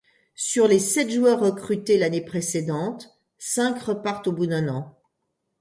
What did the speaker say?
Sur les sept joueurs recrutés l'année précédente, cinq repartent au bout d'un an.